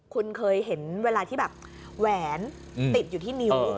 คุณเคยเห็นเวลาที่แบบแหวนติดอยู่ที่นิ้ว